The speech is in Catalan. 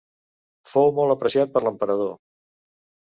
Fou molt apreciat per l'emperador.